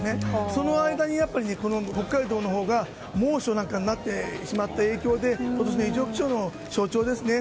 その間に北海道のほうが猛暑になってしまった影響で今年の異常気象の象徴ですね。